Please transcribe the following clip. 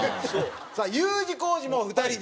さあＵ字工事も２人で。